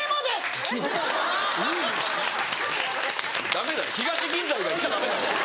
ダメだよ東銀座以外行っちゃダメだよ。